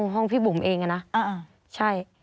ห้องพี่บุ๋มเองนะใช่